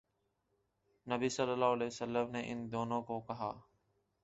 نبی صلی اللہ علیہ وسلم نے ان دونوں کو کہا